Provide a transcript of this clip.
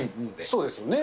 そうですよね。